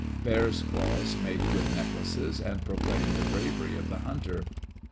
Bears' claws made good necklaces, and pro claimed the bravery of the hunter.